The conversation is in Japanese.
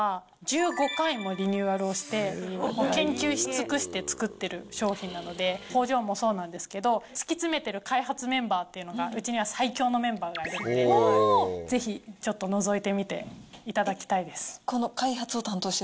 はい、この商品、実は、１５回もリニューアルをして、研究し尽くして作ってる商品なので、工場もそうなんですけど、突き詰めてる開発メンバーっていうのが、うちには最強のメンバーがいるので、ぜひちょっとのぞいてみていただきたいです。